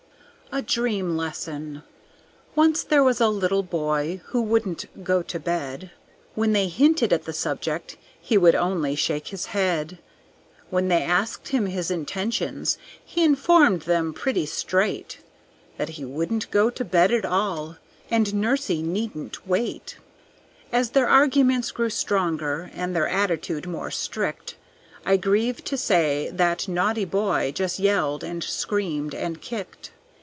A Dream Lesson Once there was a little boy who wouldn't go to bed, When they hinted at the subject he would only shake his head, When they asked him his intentions, he informed them pretty straight That he wouldn't go to bed at all, and Nursey needn't wait. As their arguments grew stronger, and their attitude more strict, I grieve to say that naughty boy just yelled and screamed and kicked.